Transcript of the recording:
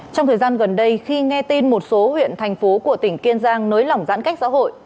trong thời gian gần đây khi nghe tin một số huyện thành phố của tỉnh kiên giang nới lỏng giãn cách xã hội